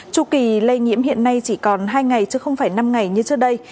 tru kỳ lây nhiễm hiện nay chỉ còn hai ngày chứ không phải năm ngày như trước đây